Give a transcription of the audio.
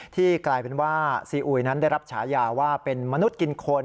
กลายเป็นว่าซีอุยนั้นได้รับฉายาว่าเป็นมนุษย์กินคน